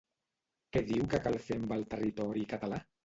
Què diu que cal fer amb el territori català?